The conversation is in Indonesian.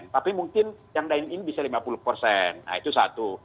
tapi mungkin yang lain ini bisa lima puluh nah itu satu